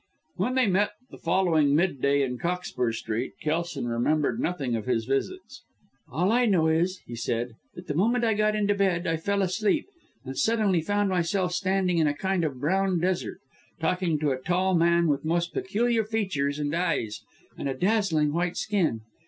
When they met the following mid day in Cockspur Street, Kelson remembered nothing of his visits. "All I know is," he said, "that the moment I got into bed, I fell asleep, and suddenly found myself standing in a kind of brown desert, talking to a tall man with most peculiar features and eyes, and a dazzling, white skin.